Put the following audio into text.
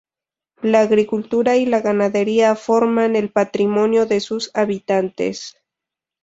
La agricultura y la ganadería forman el patrimonio de sus habitantes.